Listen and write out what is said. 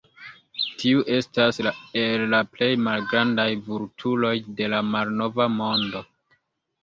Tiu estas el la plej malgrandaj vulturoj de la Malnova Mondo.